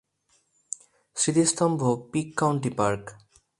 স্মৃতিস্তম্ভ Peak County park.